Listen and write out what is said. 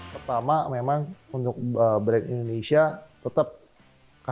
pertama memang untuk buka sepatu olahraga yang tidak terlalu mudah